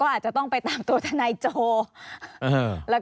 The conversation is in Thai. เพราะว่าตอนแรกมีการพูดถึงนิติกรคือฝ่ายกฎหมาย